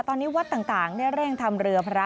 ตอนนี้วัดต่างได้เร่งทำเรือพระ